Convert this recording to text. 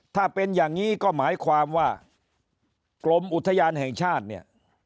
ถ้าเป็นอย่างนี้ก็หมายความว่ากรมอุทยานแห่งชาติเนี่ย